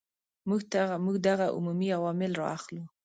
موږ دغه عمومي عوامل را اخلو.